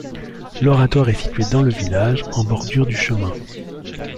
L‘oratoire est situé dans le village, en bordure du chemin.